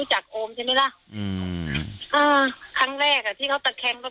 เขาจะพูดอะไรวิญญาณอืมเขาจะถามหายาทเขานึกนึกคนไหนขึ้นมา